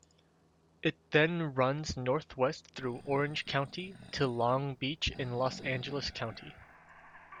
It then runs northwest through Orange County to Long Beach in Los Angeles County.